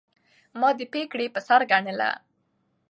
ما دې پګړۍ په سر ګنله